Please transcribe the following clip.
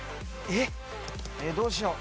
えっどうしよう？